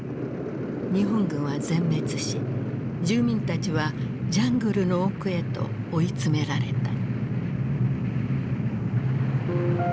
日本軍は全滅し住民たちはジャングルの奥へと追い詰められた。